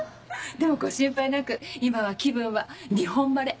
でもご心配なく今は気分は日本晴れ！